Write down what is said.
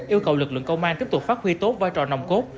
yêu cầu lực lượng công an tiếp tục phát huy tốt vai trò nồng cốt